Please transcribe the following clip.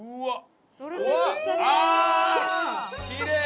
きれい！